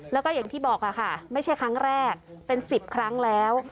แล้วก็อย่างที่บอกค่ะไม่ใช่ครั้งแรกเป็น๑๐ครั้งแล้ว